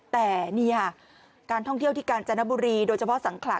แต่นี่ค่ะการท่องเที่ยวที่กาญจนบุรีโดยเฉพาะสังขลา